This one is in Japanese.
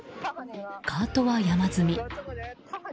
カートは山積み。